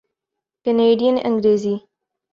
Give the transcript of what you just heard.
Canadian Angrezi